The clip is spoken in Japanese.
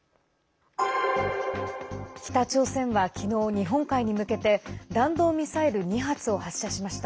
北朝鮮は昨日、日本海に向けて弾道ミサイル２発を発射しました。